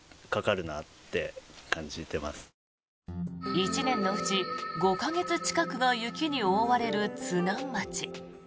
１年のうち５か月近くが雪に覆われる津南町。